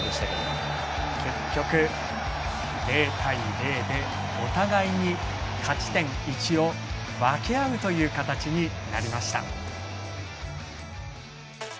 結局、０対０でお互いに勝ち点１を分け合うという形になりました。